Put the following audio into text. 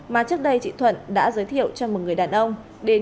mà trước đây chị thuận đã giới thiệu cho một người đàn ông